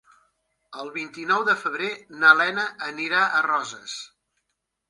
El vint-i-nou de febrer na Lena anirà a Roses.